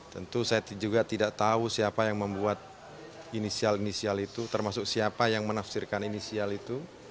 tentu saya juga tidak tahu siapa yang membuat inisial inisial itu termasuk siapa yang menafsirkan inisial itu